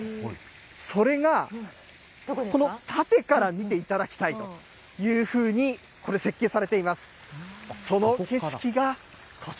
それが、この縦から見ていただきたいというふうにこれ、設計されています。